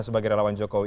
sebagai relawan jokowi